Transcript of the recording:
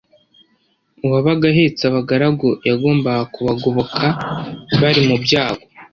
Uwabaga ahatse abagaragu yagombaga kubagoboka bari mu byago.